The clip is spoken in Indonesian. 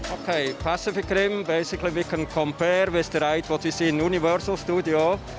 oke pacific rim kita bisa membandingkan dengan yang kita lihat di universal studio